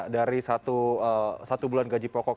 dari satu bulan gaji pokok